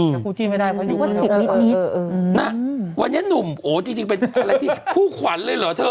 มั้ยครูจีนไม่ได้คือวันนี้หนุ่มโอ้โหจริงเป็นอะไรคู่ขวัญเลยเหรอเธอ